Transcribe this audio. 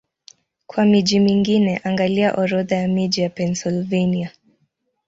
Kwa miji mingine, angalia Orodha ya miji ya Pennsylvania.